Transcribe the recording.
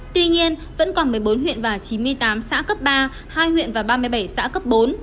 tuy nhiên vẫn còn một mươi bốn huyện và chín mươi tám xã cấp ba hai huyện và ba mươi bảy xã cấp bốn